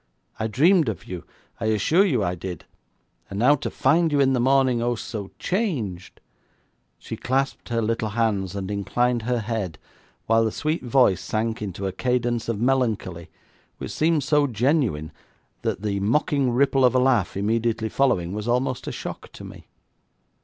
I dreamed of you, I assure you I did, and now to find you in the morning, oh, so changed!' She clasped her little hands and inclined her head, while the sweet voice sank into a cadence of melancholy which seemed so genuine that the mocking ripple of a laugh immediately following was almost a shock to me.